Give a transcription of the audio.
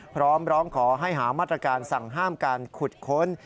พร้อมร้องขอให้หามาตรการสั่งห้ามการขุดค้น